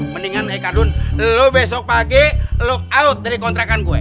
mendingan ya cardun lo besok pagi look out dari kontrakan gue